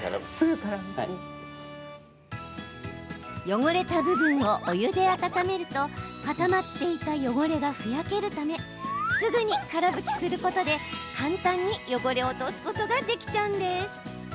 汚れた部分をお湯で温めると固まっていた汚れがふやけるためすぐに、から拭きすることで簡単に汚れを落とすことができちゃうんです。